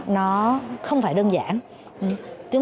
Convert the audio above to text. google cơ bán rượu